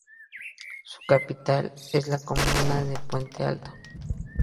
Su capital es la comuna de Puente Alto.